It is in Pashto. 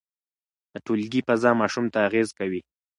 د ټولګي فضا ماشوم ته اغېز کوي.